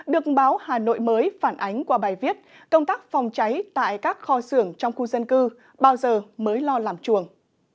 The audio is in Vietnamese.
được báo hà nội mới phản ánh qua bài viết công tác phòng cháy tại các kho xưởng trong khu dân cư bao giờ mới lo làm chuồng